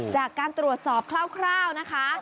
จากการตรวจสอบคร่าวนะคะ